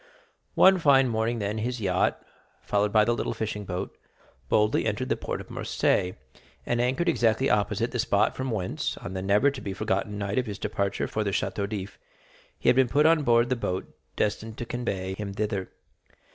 One fine morning, then, his yacht, followed by the little fishing boat, boldly entered the port of Marseilles, and anchored exactly opposite the spot from whence, on the never to be forgotten night of his departure for the Château d'If, he had been put on board the boat destined to convey him thither.